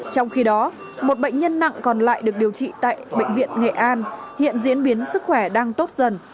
trong khi đó một bệnh nhân nặng còn lại được điều trị tại bệnh viện nghệ an hiện diễn biến sức khỏe đang tốt dần